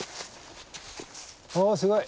おすごい。